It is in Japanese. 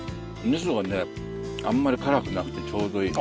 みそがねあんまり辛くなくてちょうどいい。